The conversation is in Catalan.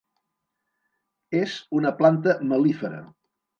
És una planta mel·lífera.